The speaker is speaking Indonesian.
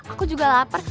aku juga lapar